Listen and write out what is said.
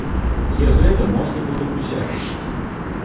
Дзе гэта можна было ўзяць?